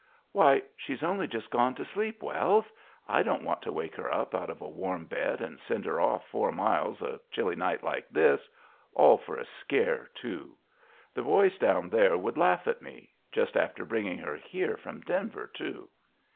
"Why, she's only just gone to sleep, Wells; I don't want to wake her up out of a warm bed and send her off four miles a chilly night like this, all for a scare, too. The boys down there would laugh at me, just after bringing her here from Denver, too."